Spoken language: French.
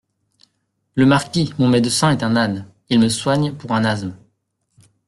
Le Marquis, Mon médecin est un âne… il me soigne pour un asthme…